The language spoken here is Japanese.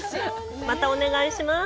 またお願いします。